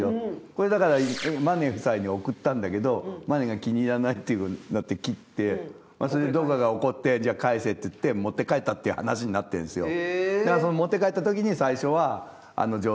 これだからマネ夫妻に贈ったんだけどマネが気に入らないっていうので切ってそれでドガが怒って「じゃあ返せ」って言って持って帰ったっていう話になってるんですよ。